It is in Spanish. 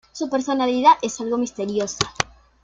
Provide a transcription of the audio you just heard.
Su personalidad es algo misteriosa.